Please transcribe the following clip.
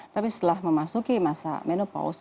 tapi setelah memasuki masa menopaus